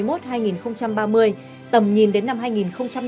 mục tiêu đến năm hai nghìn ba mươi là ưu tiên tập trung đầu tư một số cảng hàng không lớn